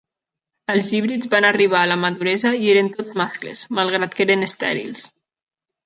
Els híbrids van arribar a la maduresa i eren tots mascles, malgrat que eren estèrils.